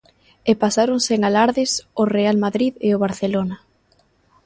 E pasaron sen alardes o Real Madrid e o Barcelona.